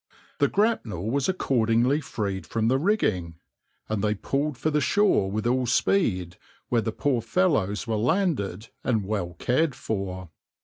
The grapnel was accordingly freed from the rigging, and they pulled for the shore with all speed where the poor fellows were landed and well cared for.